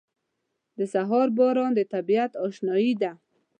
• د سهار باران د طبیعت اشنايي ده.